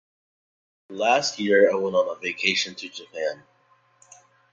Last year I went on a vacation to Japan.